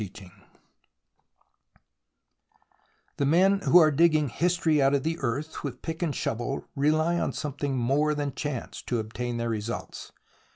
CHAPTER IV THE men who are digging history out of the earth with pick and shovel rely upon something more than chance to obtain their results.